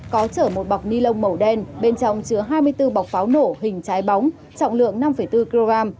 có chở một bọc ni lông màu đen bên trong chứa hai mươi bốn bọc pháo nổ hình trái bóng trọng lượng năm bốn kg